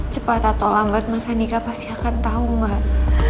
cepat atau lambat mas andika pasti akan tau mbak